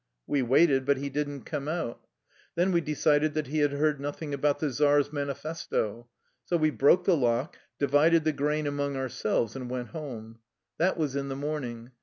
We waited, but he did n't come out. Then we decided that he had heard nothing about the czar's manifesto. So we broke the lock, divided the grain among ourselves, and went home. That was in the morning.